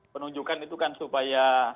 penunjukan itu kan supaya